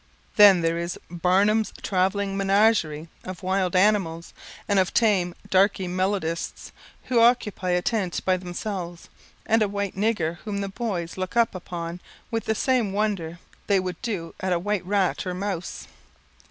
Then there is Barnham's travelling menagerie of wild animals, and of tame darkie melodists, who occupy a tent by themselves, and a white nigger whom the boys look upon with the same wonder they would do at a white rat or mouse.